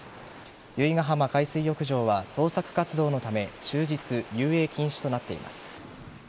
由比ガ浜海水浴場は捜索活動のため終日、遊泳禁止となっています。